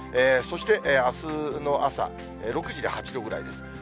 そして、あすの朝６時で８度ぐらいです。